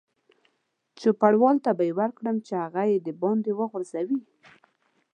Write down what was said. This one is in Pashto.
چوپړوال ته به یې ورکړم چې هغه یې دباندې وغورځوي.